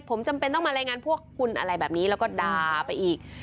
ผมจำเป็นต้องมารายงานพวกคุณอะไรแบบนี้แล้วก็ด่าไปอีก